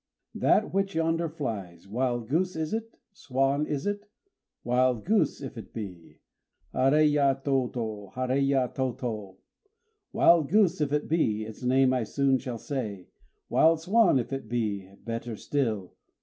_ That which yonder flies, Wild goose is it? swan is it? Wild goose if it be, Haréya tôtô! Haréya tôtô! Wild goose if it be, Its name I soon shall say: Wild swan if it be, better still!